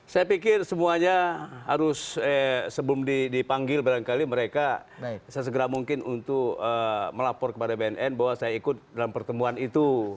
saya pikir semuanya harus sebelum dipanggil barangkali mereka sesegera mungkin untuk melapor kepada bnn bahwa saya ikut dalam pertemuan itu